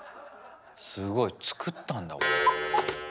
すごい、作ったんだ、これ。